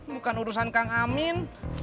bukan urusan kang amin